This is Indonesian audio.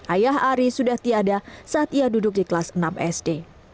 ayah ari sudah tiada saat ia duduk di kelas enam sd